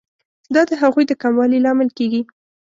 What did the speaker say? دا د هغوی د کموالي لامل کیږي.